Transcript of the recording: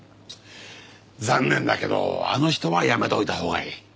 残念だけどあの人はやめといたほうがいい。